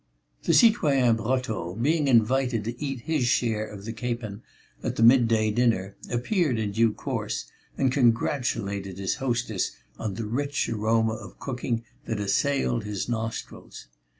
The citoyen Brotteaux, being invited to eat his share of the capon at the midday dinner, appeared in due course and congratulated his hostess on the rich aroma of cooking that assailed his nostrils.